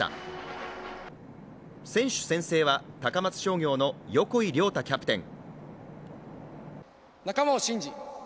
選手宣誓は高松商業の横井亮太キャプテン。